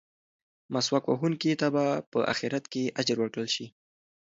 مسواک وهونکي ته به په اخرت کې اجر ورکړل شي.